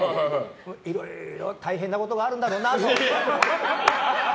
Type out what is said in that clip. いろいろ大変なことがあるんだろうなって。